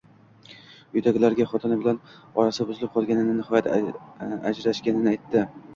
Uydagilarga xotini bilan orasi buzilib qolganini, nihoyat ajrashganini aytdi